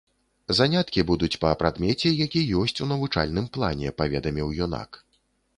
Заняткі будуць па прадмеце, які ёсць у навучальным плане, паведаміў юнак.